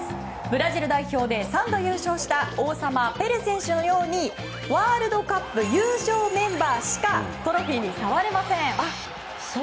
ブラジル代表で３度優勝した王様、ペレ選手のようにワールドカップ優勝メンバーしかトロフィーに触れません。